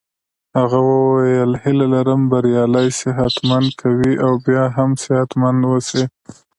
هغه وویل هیله لرم بریالی صحت مند قوي او بیا هم صحت مند اوسې.